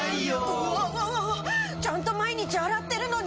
うわわわわちゃんと毎日洗ってるのに。